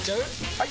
・はい！